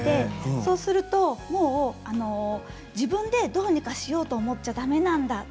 そうすると自分でどうにかしようと思ってはだめなんだと。